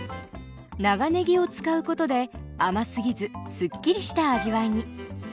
長ねぎを使うことで甘すぎずすっきりした味わいに。